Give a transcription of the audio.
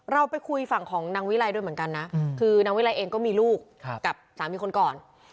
เราไปคุยฝั่งของนางวิรัยด้วยเหมือนกันนะคือนางวิไลเองก็มีลูกกับสามีคนก่อน